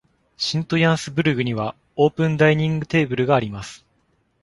シントヤンスブルグにはオープンダイニングテーブルがあります。